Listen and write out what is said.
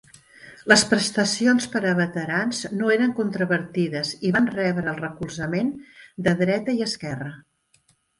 Les prestacions per a veterans no eres controvertides i van rebre el recolzament de dreta i esquerra.